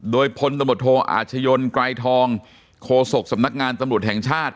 โดยพลตำรวจโทอาชญนไกรทองโฆษกสำนักงานตำรวจแห่งชาติ